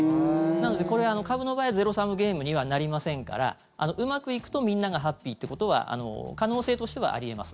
なので、株の場合はゼロサムゲームにはなりませんからうまくいくとみんながハッピーってことは可能性としてはあり得ます。